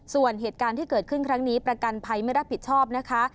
ส่วนเหตุการณ์ที่เกิดขึ้นครั้งนี้ประกันภัยไม่รับผิดชอบนะคะ